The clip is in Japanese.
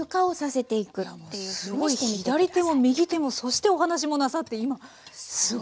すごい左手も右手もそしてお話もなさって今すごい技でしたね。